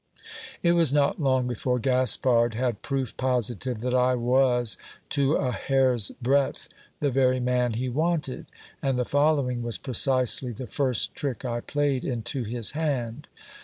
It was not long before Gaspard had proof positive that I was to a hair's breadth the very man he wanted ; and the following was precisely the first trick I played into his hand.